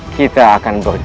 kita akan menolak